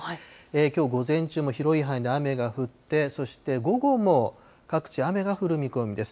きょう午前中も広い範囲で雨が降って、そして午後も各地、雨が降る見込みです。